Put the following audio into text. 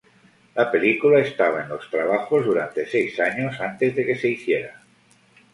La película estaba en los trabajos durante seis años antes de que se hiciera.